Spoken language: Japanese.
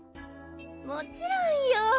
もちろんよ。